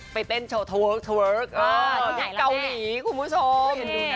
ไปเต้นโชว์เทอร์เวิร์คเกาหลีคุณผู้ชม